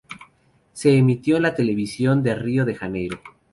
Se emitió en la televisión en Río de Janeiro.